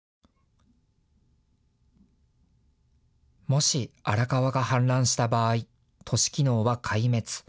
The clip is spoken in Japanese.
もし荒川が氾濫した場合都市機能は壊滅。